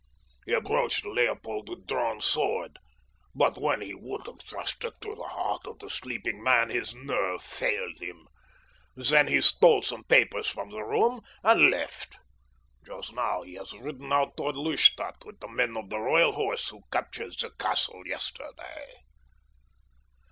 "He approached Leopold with drawn sword, but when he would have thrust it through the heart of the sleeping man his nerve failed him. Then he stole some papers from the room and left. Just now he has ridden out toward Lustadt with the men of the Royal Horse who captured the castle yesterday."